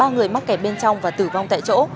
ba người mắc kẹt bên trong và tử vong tại chỗ